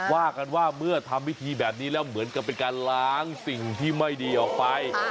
ว่ากันว่าเมื่อทำพิธีแบบนี้แล้วเหมือนกับเป็นการล้างสิ่งที่ไม่ดีออกไป